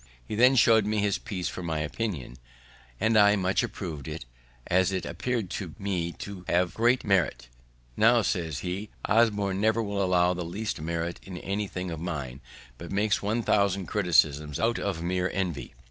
He then show'd me his piece for my opinion, and I much approv'd it, as it appear'd to me to have great merit. "Now," says he, "Osborne never will allow the least merit in anything of mine, but makes 1000 criticisms out of mere envy.